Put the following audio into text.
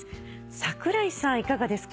桜井さんいかがですか？